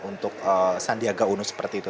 untuk sandiaga uno seperti itu